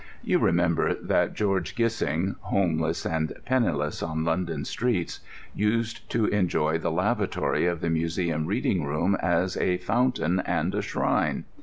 You remember that George Gissing, homeless and penniless on London streets, used to enjoy the lavatory of the Museum Reading Room as a fountain and a shrine.